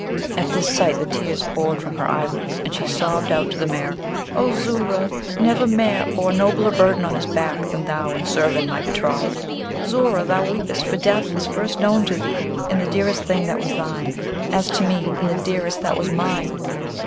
At that sight the tears poured from her eyelids, and she sobbed out to the mare, 'O Zoora! never mare bore nobler burden on her back than thou in Zurvan my betrothed. Zoora! thou weepest, for death is first known to thee in the dearest thing that was thine; as to me, in the dearest that was mine!